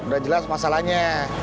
udah jelas masalahnya